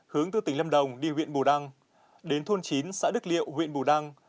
hướng từ tỉnh lâm đồng đi huyện bù đăng đến thôn chín xã đức liệu huyện bù đăng